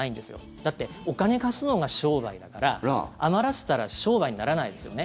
だってお金貸すのが商売だから余らせたら商売にならないですよね。